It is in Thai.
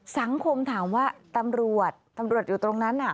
สังคมถามว่าตำรวจตำรวจอยู่ตรงนั้นน่ะ